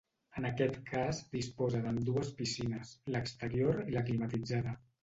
En aquest cas disposa d'ambdues piscines, l'exterior i la climatitzada.